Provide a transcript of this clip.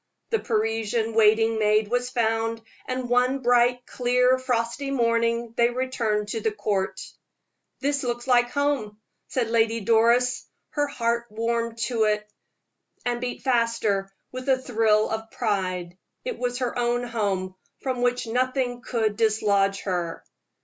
The Parisian waiting maid was found and one bright, clear, frosty morning they returned to the Court. "It looks like home," said Lady Doris. Her heart warmed to it, and beat faster with a thrill of pride. It was her own home, from which nothing could dislodge her!